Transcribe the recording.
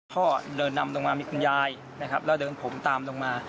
พ่อเดินนำลงมามีคุณยายนะครับแล้วเดินผมตามลงมา